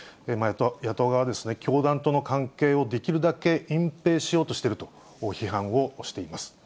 野党側は教団との関係をできるだけ隠蔽しようとしていると批判をしています。